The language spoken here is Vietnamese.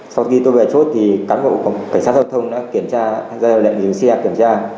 sau khi tôi về chốt thì cán bộ cảnh sát giao thông đã kiểm tra ra lệnh dừng xe kiểm tra